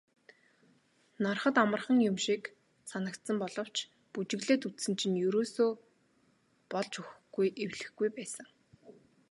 Hарахад амархан юм шиг санагдсан боловч бүжиглээд үзсэн чинь ерөөсөө болж өгөхгүй эвлэхгүй байсан.